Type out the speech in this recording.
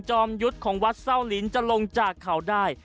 ยุทธ์ของวัดเศร้าลิ้นจะลงจากเขาได้